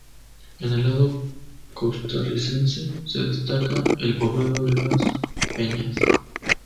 En el lado costarricense se destaca el poblado de Las Peñas.